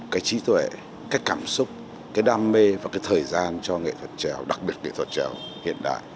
cái trí tuệ cái cảm xúc cái đam mê và cái thời gian cho nghệ thuật trèo đặc biệt nghệ thuật trèo hiện đại